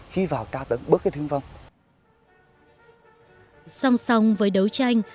xong xong với đấu tranh